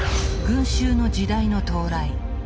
「群衆の時代」の到来。